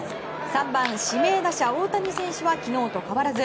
３番指名打者、大谷選手は昨日と変わらず。